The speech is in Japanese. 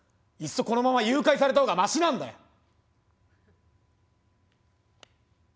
いっそこのまま誘拐された方がマシなんだよ！